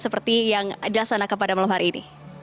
seperti yang jelas anak kepada malam hari ini